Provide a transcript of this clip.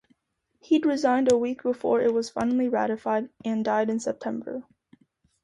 He'd resigned a week before it was finally ratified, and died in September.